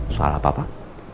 soal apa pak